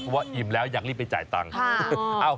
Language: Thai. ว่าอิ่มแล้วอยากรีบไปจ่ายตังค์